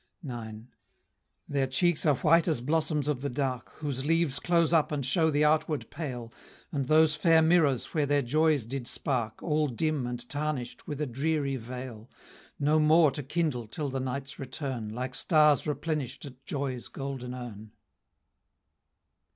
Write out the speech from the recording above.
IX. Their cheeks are white as blossoms of the dark, Whose leaves close up and show the outward pale, And those fair mirrors where their joys did spark, All dim and tarnish'd with a dreary veil, No more to kindle till the night's return, Like stars replenish'd at Joy's golden urn.